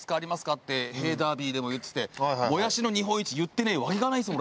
ってへぇダービーでも言っててもやしの日本一言ってねえわけがないですもん。